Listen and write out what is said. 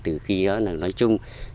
từ khi đó là nói chung